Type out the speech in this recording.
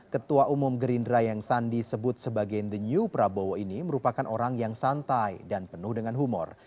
ketua umum gerindra yang sandi sebut sebagai the new prabowo ini merupakan orang yang santai dan penuh dengan humor